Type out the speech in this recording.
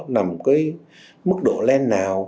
nằm cái mức độ len nào